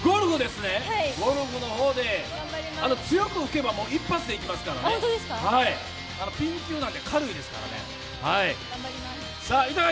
ゴルフの方で、強く吹けばもう一発でいけますからね、ピン球なので、軽いですからね。